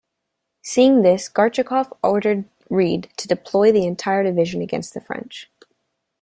Seeing this Gorchakov ordered Read to deploy the entire division against the French.